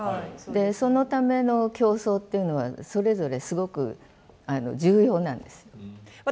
でそのための競争っていうのはそれぞれすごく重要なんです。